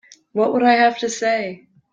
What would I have to say?